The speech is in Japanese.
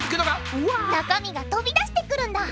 中身が飛び出してくるんだ！